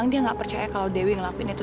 aku kangen sekali sama sita